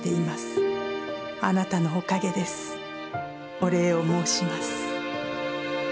お礼を申します」。